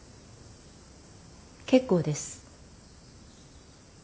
結構です。